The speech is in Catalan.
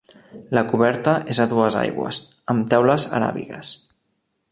La coberta és a dues aigües, amb teules aràbigues.